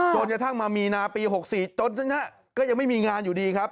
จนกระทั่งมามีนาปี๖๔จนฮะก็ยังไม่มีงานอยู่ดีครับ